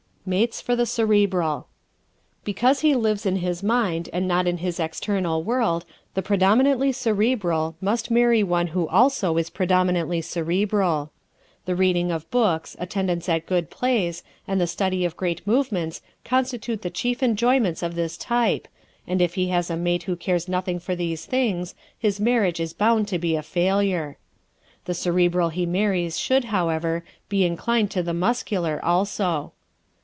Mates for the Cerebral ¶ Because he lives in his mind and not in his external world the predominantly Cerebral must marry one who also is predominantly Cerebral. The reading of books, attendance at good plays, and the study of great movements constitute the chief enjoyments of this type and if he has a mate who cares nothing for these things his marriage is bound to be a failure. The Cerebral he marries should, however, be inclined to the Muscular also.